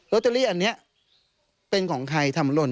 ตเตอรี่อันนี้เป็นของใครทำหล่น